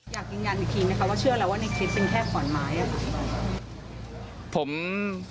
อยากยืนยันอีกทีไหมคะว่าเชื่อแล้วว่าในคลิปเป็นแค่ขอนไม้ค่ะ